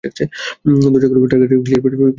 দরজা খুলো - টার্গেটের ক্লিয়ার শট পেয়েছি।